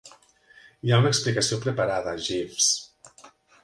Hi ha una explicació preparada, Jeeves.